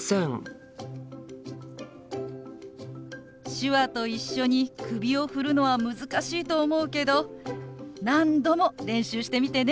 手話と一緒に首を振るのは難しいと思うけど何度も練習してみてね。